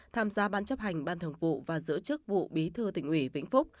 tham gia ban chấp hành ban thường vụ và giữ chức vụ bí thư tỉnh ủy vĩnh phúc